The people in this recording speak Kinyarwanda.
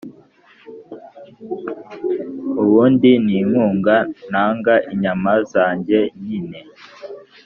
ubundi nigunganaga inyama za jyenyine,